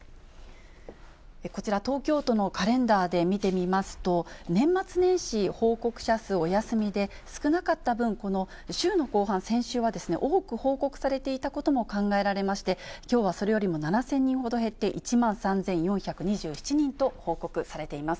こちら、東京都のカレンダーで見てみますと、年末年始、報告者数お休みで、少なかった分、この週の後半、先週は多く報告されていたことも考えられまして、きょうはそれよりも７０００人ほど減って、１万３４２７人と報告されています。